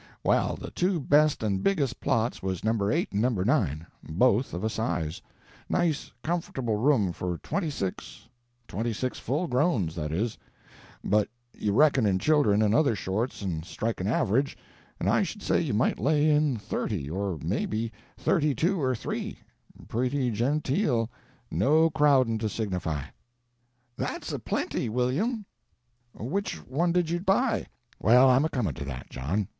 Well, the two best and biggest plots was No. 8 and No. 9 both of a size; nice comfortable room for twenty six twenty six full growns, that is; but you reckon in children and other shorts, and strike an average, and I should say you might lay in thirty, or maybe thirty two or three, pretty genteel no crowdin' to signify." "That's a plenty, William. Which one did you buy?" "Well, I'm a comin' to that, John.